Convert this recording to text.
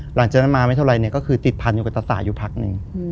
หลังจากนั้นมาไม่เท่าไรเนี่ยก็คือติดพันอยู่กับตาสายอยู่พักหนึ่ง